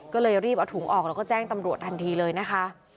ก็เลยรีบเอาถุงออกแล้วก็แจ้งตำรวจทันทีเลยนะคะ